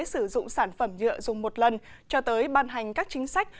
sử dụng sản phẩm nhựa dùng một lần cho tới ban hành các chính sách